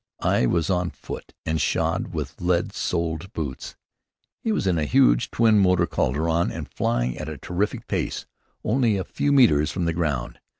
I was on foot, and shod with lead soled boots. He was in a huge, twin motor Caudron and flying at a terrific pace, only a few metres from the ground.